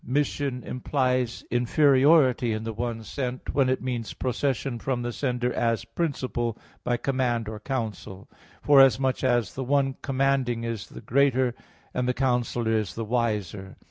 1: Mission implies inferiority in the one sent, when it means procession from the sender as principle, by command or counsel; forasmuch as the one commanding is the greater, and the counsellor is the wiser.